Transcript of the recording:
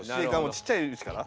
ちっちゃいうちから。